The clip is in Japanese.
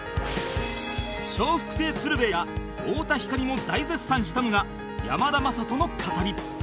笑福亭鶴瓶や太田光も大絶賛したのが山田雅人の語り